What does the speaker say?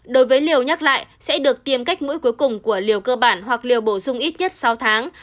đối với liều nhắc lại sẽ được tiêm cách mũi cuối cùng của liều cơ bản hoặc liều bổ sung ít nhất sáu tháng